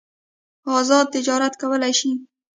ازاد تجارت کولای شي.